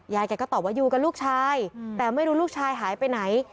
แกก็ตอบว่าอยู่กับลูกชายแต่ไม่รู้ลูกชายหายไปไหน